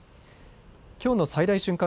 きょうの最大瞬間